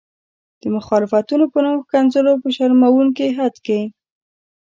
د مخالفتونو په نوم ښکنځلو په شرموونکي حد کې.